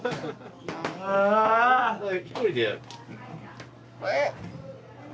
１人でやる。